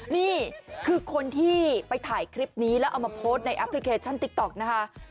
นี่คือคนที่ไปถ่ายคลิปนี้แล้วเอามาโพสต์ในแอปพลิเคชันติ๊กต๊อกนะคะ